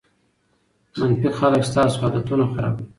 منفي خلک ستاسو عادتونه خرابوي.